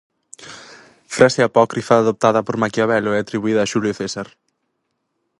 Frase apócrifa adoptada por Maquiavelo e atribuída a Xulio César.